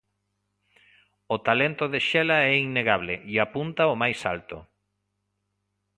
O talento de Xela é innegable e apunta ao máis alto.